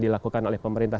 dilakukan oleh pemerintah